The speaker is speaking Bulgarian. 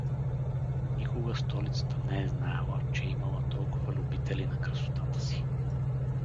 Никога столицата не е знаела, че имала толкова любители на красотата си!